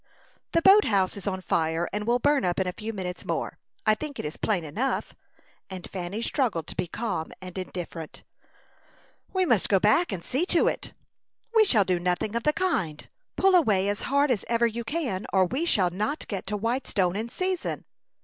"The boat house is on fire, and will burn up in a few minutes more. I think it is plain enough;" and Fanny struggled to be calm and indifferent. "We must go back and see to it." "We shall do nothing of the kind. Pull away as hard as ever you can, or we shall not get to Whitestone in season."